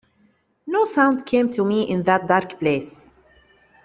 No sound came to me in that dark place.